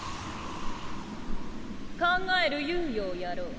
考える猶予をやろう。